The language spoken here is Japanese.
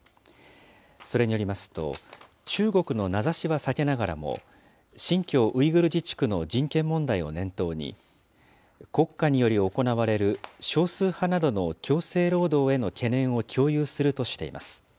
それによりますと、中国の名指しは避けながらも、新疆ウイグル自治区の人権問題を念頭に、国家により行われる少数派などの強制労働への懸念を共有するとしています。